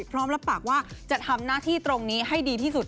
พร้อมรับปากว่าจะทำหน้าที่ตรงนี้ให้ดีที่สุด